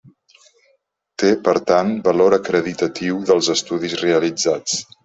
Té, per tant, valor acreditatiu dels estudis realitzats.